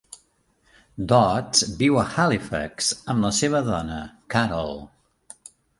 Dodds viu a Halifax amb la seva dona, Carol.